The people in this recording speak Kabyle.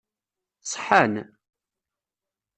Ṣeḥḥan?